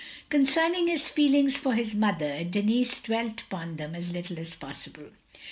Concerning his feelings for his mother, Denis dwelt upon them as little as possible.